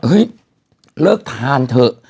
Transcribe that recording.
เฮ้ยเลิกทานเถอะ